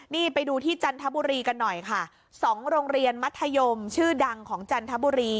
นี่ไปดูที่จันทบุรีกันหน่อยค่ะสองโรงเรียนมัธยมชื่อดังของจันทบุรี